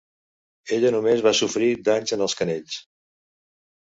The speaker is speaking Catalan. Ella només va sofrir danys en els canells.